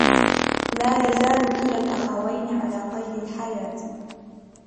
لا يزال كلا الأخوين على قيد الحياة.